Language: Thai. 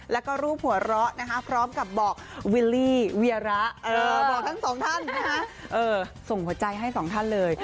แล้วก็รูปหัวเราะนะคะพร้อมกับบอกวิลลี่เวียระบอกทั้งสองท่านส่งหัวใจให้สองท่านเลย